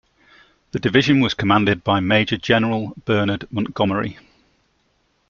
The division was commanded by Major-General Bernard Montgomery.